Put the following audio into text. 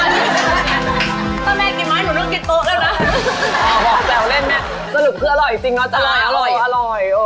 ถ้างู้ร้อยผ่านคบเลย